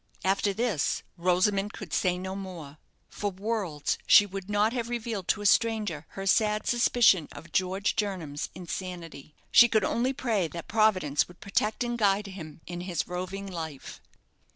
After this, Rosamond could say no more. For worlds she would not have revealed to a stranger her sad suspicion of George Jernam's insanity. She could only pray that Providence would protect and guide him in his roving life.